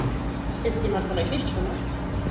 Ist jemand von euch Nichtschwimmer?